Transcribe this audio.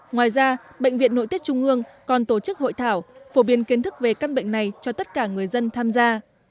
ngoài ra bệnh viện nội tiết trung ương còn tổ chức hội thảo phổ biến kiến thức về căn bệnh này cho tất cả người dân tham gia